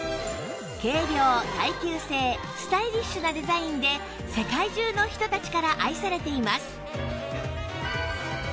軽量耐久性スタイリッシュなデザインで世界中の人たちから愛されています